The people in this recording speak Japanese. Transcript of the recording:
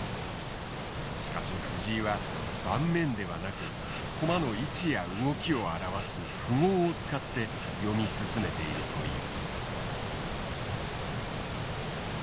しかし藤井は盤面ではなく駒の位置や動きを表す符号を使って読み進めているという。